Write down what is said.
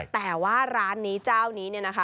แต่ว่าร้านนี้เจ้านี้นะคะ